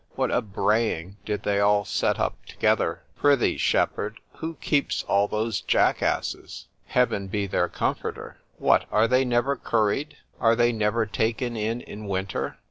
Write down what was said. what a braying did they all set up together! ——Prithee, shepherd! who keeps all those Jack Asses? ——Heaven be their comforter——What! are they never curried?——Are they never taken in in winter?